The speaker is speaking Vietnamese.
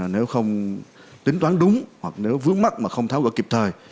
nếu không tính toán đúng hoặc nếu vướng mắt mà không tháo gỡ kịp thời